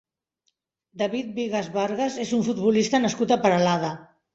David Bigas Vargas és un futbolista nascut a Peralada.